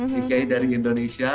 ti ki dari indonesia